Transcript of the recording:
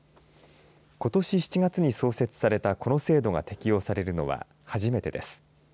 ことし７月に創設されたこの制度が適用されるのは初めてです。